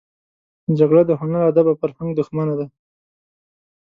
جګړه د هنر، ادب او فرهنګ دښمنه ده